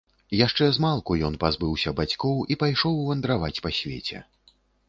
Яшчэ змалку ён пазбыўся бацькоў і пайшоў вандраваць па свеце.